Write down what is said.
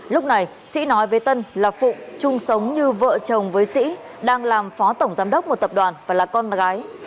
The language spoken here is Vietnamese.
lúc này sĩ nói với tân là phụng chung sống như vợ chồng với sĩ đang làm phó tổng giám đốc một tập đoàn và là con gái